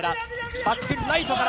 バック、ライトから